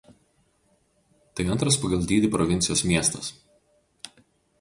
Tai antras pagal dydį provincijos miestas.